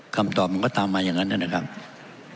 คำตอบมันก็ตามมาอย่างนั้นนะครับ